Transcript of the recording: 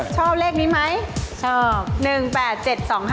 ชอบเลขนี้ไหมชอบ